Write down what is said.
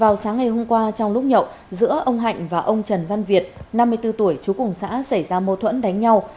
ông hạnh và ông trần văn việt năm mươi bốn tuổi chú cùng xã xảy ra mâu thuẫn đánh nhau